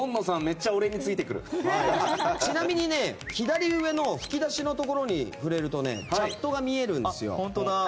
ちなみに左上の引き出しに触れるとチャットが見えるんですよ。